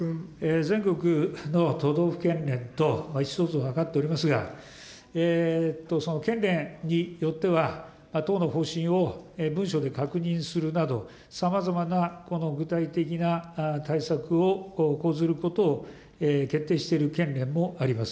全国の都道府県連と意思疎通を図っておりますが、その県連によっては、党の方針を文書で確認するなど、さまざまなこの具体的な対策を講ずることを決定している県連もあります。